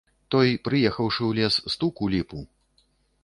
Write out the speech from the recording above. Той, прыехаўшы ў лес, стук у ліпу.